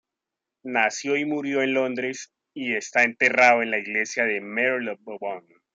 Nació y murió en Londres, y está enterrado en la Iglesia de Marylebone.